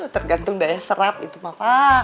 tergantung daya serap itu maka